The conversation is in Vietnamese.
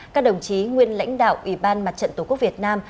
các đồng chí nguyên lãnh đạo ủy ban mặt trận tổ quốc việt nam